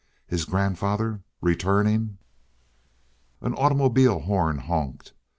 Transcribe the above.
His grandfather returning? An automobile horn honked.